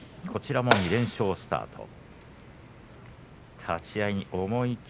こちらも２連勝スタート立ち合い